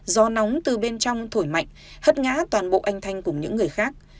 gió nóng từ bên trong thổi mạnh hất ngã toàn bộ anh thanh cùng những người khác